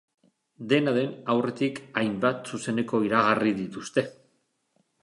Dena den, aurretik hainbat zuzeneko iragarri dituzte.